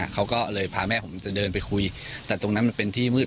เขาก็เลยพาแม่ผมจะเดินไปคุยแต่ตรงนั้นมันเป็นที่มืด